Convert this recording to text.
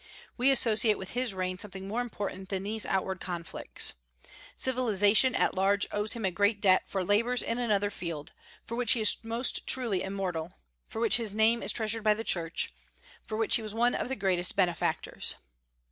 We associate with his reign something more important than these outward conflicts. Civilization at large owes him a great debt for labors in another field, for which he is most truly immortal, for which his name is treasured by the Church, for which he was one of the great benefactors.